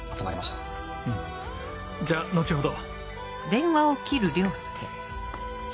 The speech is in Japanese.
うんじゃあ後ほど。